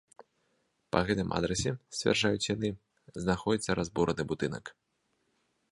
Па гэтым адрасе, сцвярджаюць яны, знаходзіцца разбураны будынак.